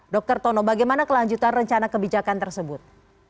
dr tono bagaimana kelanjutan rencana kebijakan tersebut